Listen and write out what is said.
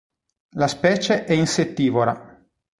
La specie è insettivora.